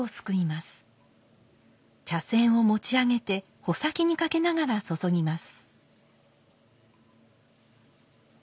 茶筅を持ち上げて穂先にかけながら注ぎます。